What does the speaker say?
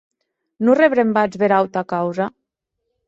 Non rebrembatz bèra auta causa?